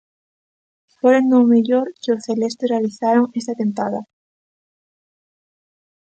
Foron do mellor que os celestes realizaron esta tempada.